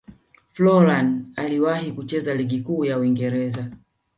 forlan aliwahi kucheza ligi kuu ya uingereza